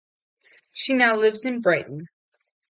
She now lives in Brighton.